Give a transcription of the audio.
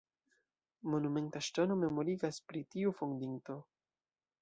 Monumenta ŝtono memorigas pri tiu fondinto.